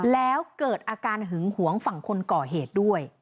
แล้วเกิดอาการหึงหวงฝั่งคนก่อเหตุด้วย